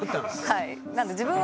はい。